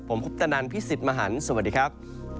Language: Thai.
ผมคุปตนันพี่สิทธิ์มหันฯสวัสดีครับ